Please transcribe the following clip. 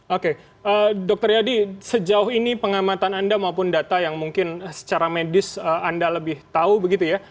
oke dr yadi sejauh ini pengamatan anda maupun data yang mungkin secara medis anda lebih tahu begitu ya